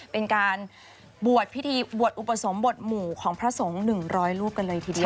เป็นการบวชพิธีบวชอุปสมบทหมู่ของพระสงฆ์๑๐๐รูปกันเลยทีเดียว